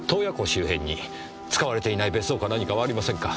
周辺に使われていない別荘か何かはありませんか？